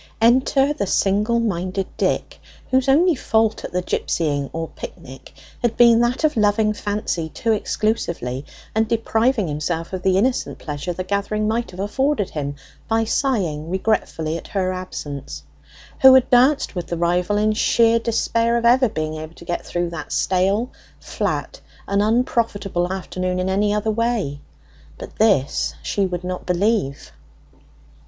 Enter the single minded Dick, whose only fault at the gipsying, or picnic, had been that of loving Fancy too exclusively, and depriving himself of the innocent pleasure the gathering might have afforded him, by sighing regretfully at her absence, who had danced with the rival in sheer despair of ever being able to get through that stale, flat, and unprofitable afternoon in any other way; but this she would not believe.